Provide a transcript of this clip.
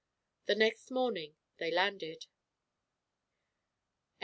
The next morning they landed.